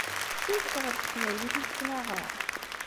D tidet ɣef teqbaylit i tettnaɣem?